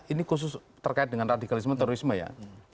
ini khusus terkait dengan radikalisme terorisme ya